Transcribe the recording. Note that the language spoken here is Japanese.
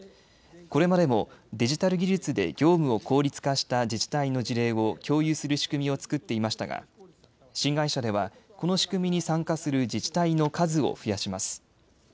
これまでもデジタル技術で業務の効率化した自治体の事例を共有する仕組みを作っていましたが新会社ではこの仕組みに参加する自治体の数を増やします。